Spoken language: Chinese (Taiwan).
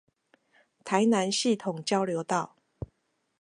台南系統交流道